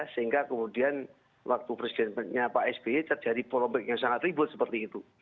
sehingga kemudian waktu presidennya pak sby terjadi polobek yang sangat ribut seperti itu